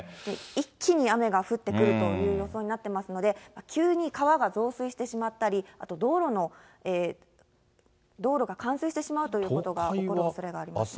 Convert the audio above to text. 一気に雨が降ってくるという予想になってますので、急に川が増水してしまったり、あと道路が冠水してしまうということが起こるおそれがあります。